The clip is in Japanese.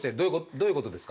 どういうことですか？